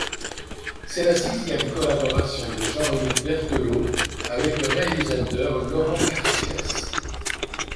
C'est la sixième collaboration de Jean-Yves Berteloot avec le réalisateur Laurent Carcélès.